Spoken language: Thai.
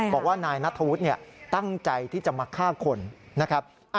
บอกว่านายนัทธวุฒิตั้งใจที่จะมาฆ่าคนนะครับ